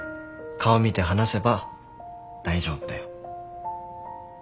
顔見て話せば大丈夫だよ。